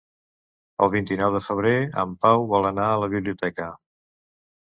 El vint-i-nou de febrer en Pau vol anar a la biblioteca.